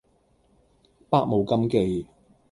百無禁忌